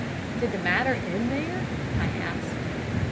"Did the matter end there?" I asked.